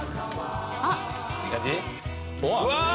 うわ！